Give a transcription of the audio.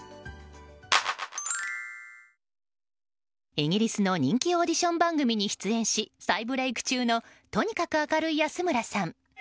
イギリスの人気オーディション番組に出演し再ブレーク中のとにかく明るい安村さん。